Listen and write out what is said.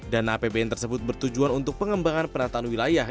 dana apbn tersebut bertujuan untuk pengembangan penataan wilayah